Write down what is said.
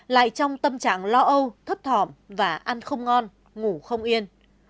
lại trong tâm trạng lo âu thấp thỏm và ăn không ngon ngủ không yên